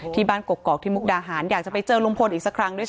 ที่บ้านกรกกรอกที่มุกดาหารอยากจะไปเจอลุมพลอีกสักครั้งด้วยค่ะ